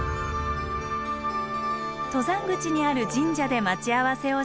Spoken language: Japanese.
登山口にある神社で待ち合わせをしたのは。